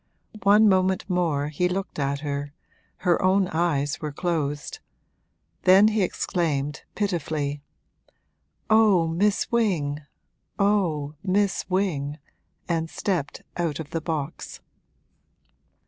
One moment more he looked at her her own eyes were closed; then he exclaimed, pitifully, 'Oh Miss Wing, oh Miss Wing!' and stepped out of the box.